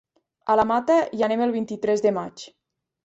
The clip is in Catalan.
A la Mata hi anem el vint-i-tres de maig.